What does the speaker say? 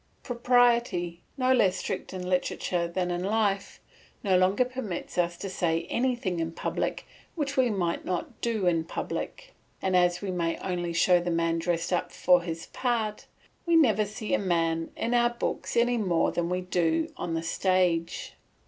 Propriety, no less strict in literature than in life, no longer permits us to say anything in public which we might not do in public; and as we may only show the man dressed up for his part, we never see a man in our books any more than we do on the stage.